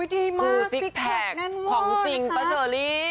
ดีมากซิกแพคแน่นมากเลยค่ะคือซิกแพคของจริงปะเจอรี่